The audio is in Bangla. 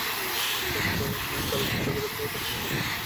তিনি গ্যাসোলিনের সাহায্যে চালিত মোটরগাড়ির উদ্ভাবক হিসেবে বিখ্যাত।